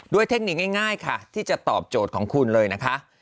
เทคนิคง่ายค่ะที่จะตอบโจทย์ของคุณเลยนะคะ